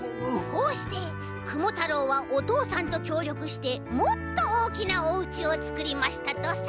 こうしてクモ太郎はおとうさんときょうりょくしてもっとおおきなおうちをつくりましたとさ。